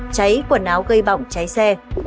cháy quần áo gây bỏng cháy xe